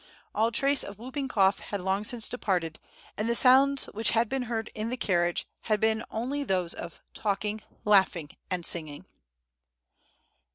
All trace of whooping cough had long since departed, and the sounds which had been heard in the carriage had been only those of talking, laughing, and singing!